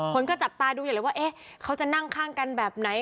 คนก็จับตาดูอยู่เลยว่าเอ๊ะเขาจะนั่งข้างกันแบบไหน